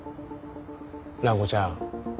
蘭子ちゃん